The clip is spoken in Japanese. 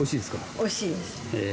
おいしいです。